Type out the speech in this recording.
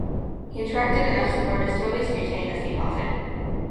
He attracted enough supporters to at least retain his deposit.